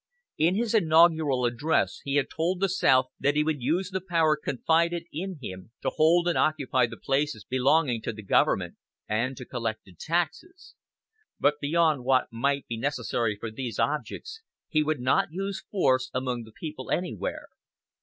In his inaugural address he had told the South that he would use the power confided to him to hold and occupy the places belonging to the Government, and to collect the taxes; but beyond what might be necessary for these objects, he would not use force among the people anywhere.